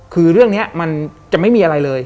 คือเรื่องนี้มันจะไม่มีอะไรเลย